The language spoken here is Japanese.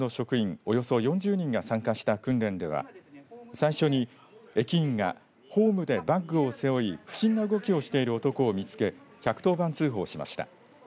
およそ４０人が参加した訓練では最初に駅員がホームでバッグを背負い不審な動きをしている男を見つけ１１０番通報しました。